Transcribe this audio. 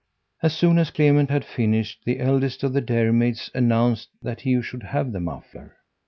As soon as Clement had finished, the eldest of the dairymaids announced that he should have the muffler.